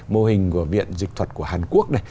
mô hình của viện dịch thuật của hàn quốc